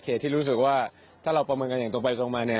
ที่รู้สึกว่าถ้าเราประเมินกันอย่างตรงไปตรงมาเนี่ย